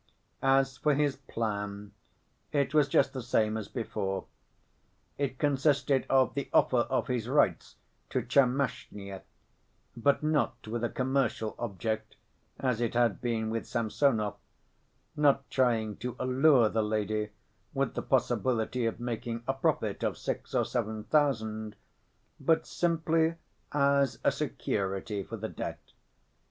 As for his "plan" it was just the same as before; it consisted of the offer of his rights to Tchermashnya—but not with a commercial object, as it had been with Samsonov, not trying to allure the lady with the possibility of making a profit of six or seven thousand—but simply as a security for the debt.